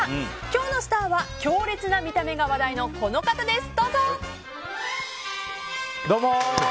今日のスターは強烈な見た目が話題のこの方です。